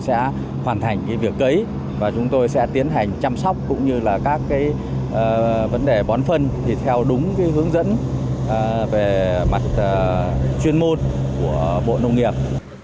chúng tôi sẽ hoàn thành cái việc cấy và chúng tôi sẽ tiến hành chăm sóc cũng như là các cái vấn đề bón phân thì theo đúng cái hướng dẫn về mặt chuyên môn của bộ nông nghiệp